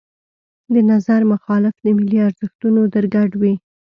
د نظر مخالف د ملي ارزښتونو درګډ وي.